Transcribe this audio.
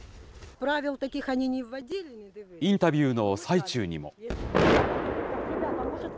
インタビューの最中にも。